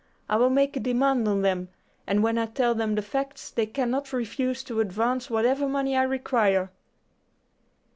I will make a demand of them, and when I tell them the facts they cannot refuse to advance whatever money I require."